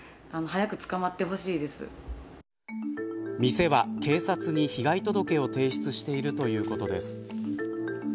店は警察に被害届を提出しているということです。